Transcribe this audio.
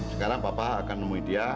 sekarang bapak akan nemui dia